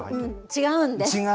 違うんです。